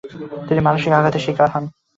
তিনি মানসিক আঘাতের শিকার হন।